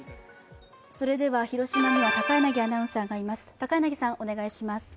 広島には高柳アナウンサーがいます。